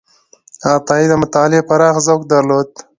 عطایي د مطالعې پراخ ذوق درلود.